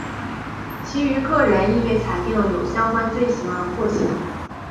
其余各人亦被裁定有相关罪行而获刑。